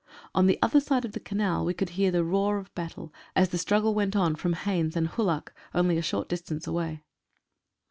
On the other side of the Canal we could hear the roar of battle, as the struggle went on from Haisnes and Kullach, only a short distance away.